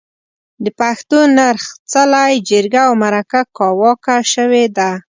د پښتون نرخ، څلی، جرګه او مرکه کاواکه شوې ده.